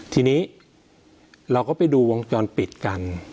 ทีนี้เราก็ไปดูวงจรปิดกัน